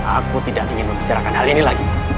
aku tidak ingin membicarakan hal ini lagi